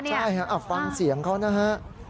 ใช่ฟังเสียงเขานะฮะ